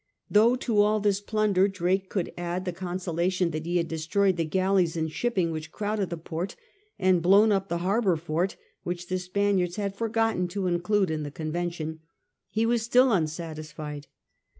Though to all this plunder Drake could add the consolation that he had destroyed the galleys and shipping which crowded the port, and blown up the harbour fort which the Spaniards had forgotten to include in the convention, he was still unsatisfied.